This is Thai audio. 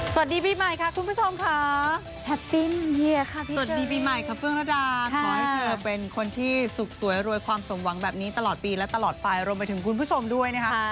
สวัสดีปีใหม่ค่ะคุณผู้ชมค่ะแฮปปี้เฮียค่ะสวัสดีปีใหม่ค่ะเฟื่องระดาขอให้เธอเป็นคนที่สุขสวยรวยความสมหวังแบบนี้ตลอดปีและตลอดไปรวมไปถึงคุณผู้ชมด้วยนะคะ